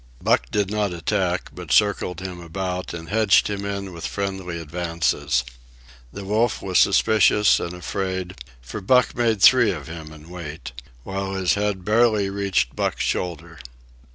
Buck did not attack, but circled him about and hedged him in with friendly advances. The wolf was suspicious and afraid; for Buck made three of him in weight, while his head barely reached Buck's shoulder.